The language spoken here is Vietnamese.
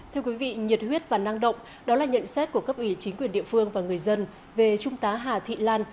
thưa quý vị nhiệt huyết và năng động đó là nhận xét của cấp ủy chính quyền địa phương và người dân về trung tá hà thị lan